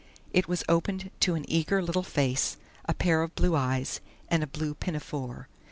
It was opened to an eager little face, a pair of blue eyes, and a blue pinafore.